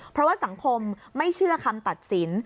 เพราะว่าสังคมไม่เชื่อคำตัดสิน